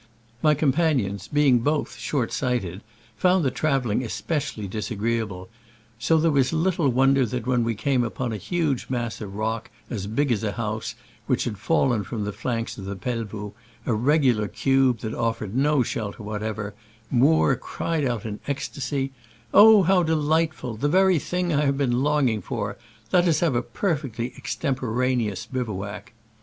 My companions, being both short sighted, found the traveling especially disagree able; so there was little wonder that when we came upon a huge mass of rock as big as a house, which had fallen from the flanks of Pelvoux, a regular cube that offered no shelter whatever, Moore cried out iiy ecstasy, "Oh, how delightful ! the very thing I have been longing for! Let us have a perfectly extemporaneous bivouac.